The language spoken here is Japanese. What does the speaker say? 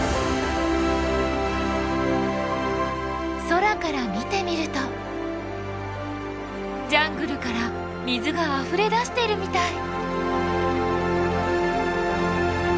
空から見てみるとジャングルから水があふれ出しているみたい。